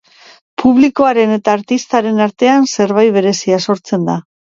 Publikoaren eta artistaren artean zerbait berezia sortzen da.